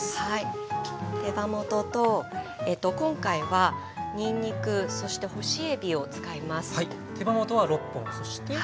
手羽元と今回はにんにくそして干しえびを使います。